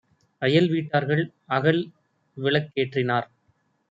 அயல்வீட் டார்கள் அகல்விளக் கேற்றினார்.